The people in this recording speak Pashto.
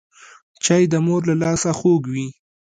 چای د مور له لاسه خوږ وي